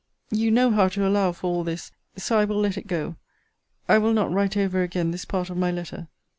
You know how to allow for all this so I will let it go. I will not write over again this part of my letter.